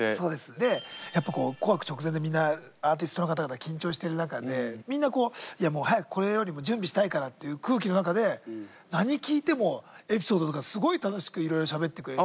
でやっぱこう「紅白」直前でみんなアーティストの方々緊張してる中でみんなこういやもう早くこれよりも準備したいからっていう空気の中で何聞いてもエピソードとかすごい楽しくいろいろしゃべってくれて。